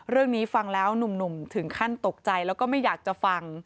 เรื่องนี้ฟังแล้วหนุ่มถึงขั้นตกใจแล้วก็ไม่อยากจะฟัง